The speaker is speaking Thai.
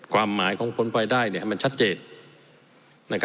ความหมายของผลพลอยได้ให้มันชัดเจน